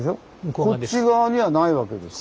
こっち側にはないわけですか